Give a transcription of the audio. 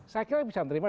saya kira bisa menerima